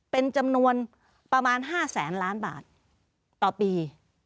เป็นจำนวนประมาณ๕แสนล้านบาทต่อปี